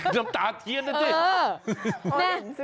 น้ำตาเทียนนั่นสิ